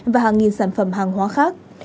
và hàng nghìn sản phẩm hàng hóa khác